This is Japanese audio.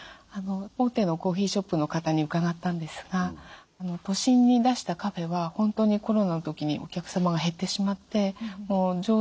大手のコーヒーショップの方に伺ったんですが都心に出したカフェは本当にコロナの時にお客様が減ってしまって常時の半分以下であると。